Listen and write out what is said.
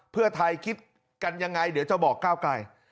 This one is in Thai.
เพื่อไทยคิดกันยังไงเดี๋ยวจะบอกก้าวไกล